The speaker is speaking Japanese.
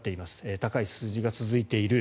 高い数字が続いている。